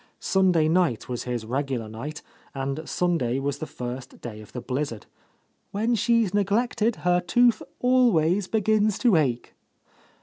Sunday night was his regular night, and Sunday was the first day of the blizzard. "When she's neg lected, her tooth always begins to ache